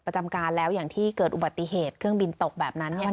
ประจำการแล้วอย่างที่เกิดอุบัติเหตุเครื่องบินตกแบบนั้น